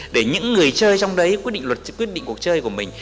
để những người chơi trong đấy quyết định cuộc chơi của mình